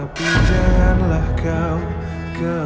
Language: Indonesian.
tapi janganlah kau kemana mana